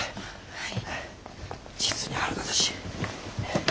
はい。